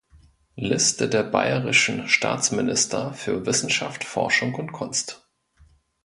Liste der Bayerischen Staatsminister für Wissenschaft, Forschung und Kunst